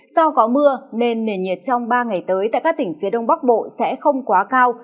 do có mưa nên nền nhiệt trong ba ngày tới tại các tỉnh phía đông bắc bộ sẽ không quá cao